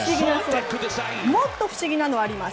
もっと不思議なのがあります。